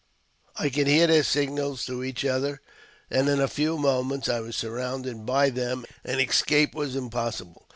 I could hear their signals to each other, and in a few moments I was surrounded by them, and escape was impossible.